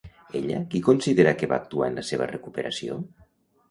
Ella qui considera que va actuar en la seva recuperació?